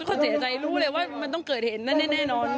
เขาเสียใจรู้เลยว่ามันต้องเกิดเหตุนั่นแน่นอน